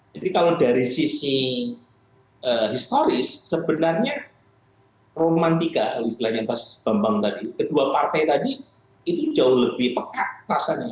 jadi kalau dari sisi historis sebenarnya romantika istilahnya mas bambang tadi kedua partai tadi itu jauh lebih pekat rasanya